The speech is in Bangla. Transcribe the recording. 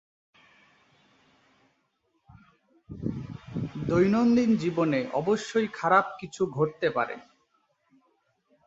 দৈনন্দিন জীবনে অবশ্যই খারাপ কিছু ঘটতে পারে।